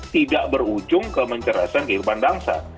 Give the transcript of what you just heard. tidak berujung ke mencerasakan kehidupan bangsa